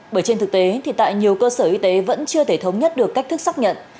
bởi trên thực tế thì tại nhiều cơ sở y tế vẫn chưa thể thống nhất được cách thức xác nhận